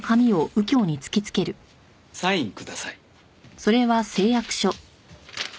サインください。